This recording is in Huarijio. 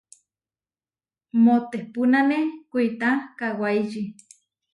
Moʼtepunane kuitá kawáiči.